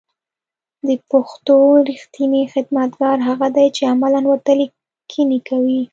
د پښتو رېښتينی خدمتگار هغه دی چې عملاً ورته ليکنې کوي